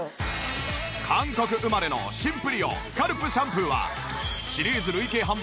韓国生まれのシンプリオスカルプシャンプーはシリーズ累計販売